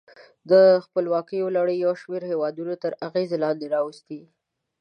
د خپلواکیو لړۍ یو شمیر هېودونه تر اغېز لاندې راوستي.